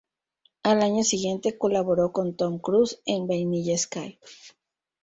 Al año siguiente, colaboró con Tom Cruise en "Vanilla Sky".